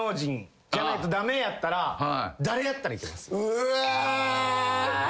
うわ！